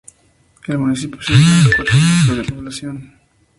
El municipio se divide en cuatro núcleos de población.